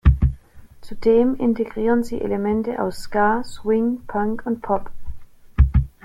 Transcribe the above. Zudem integrieren sie Elemente aus Ska, Swing, Punk und Pop.